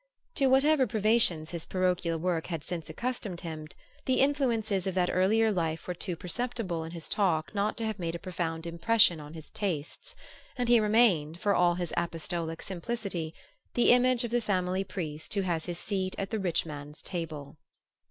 To whatever privations his parochial work had since accustomed him, the influences of that earlier life were too perceptible in his talk not to have made a profound impression on his tastes; and he remained, for all his apostolic simplicity, the image of the family priest who has his seat at the rich man's table.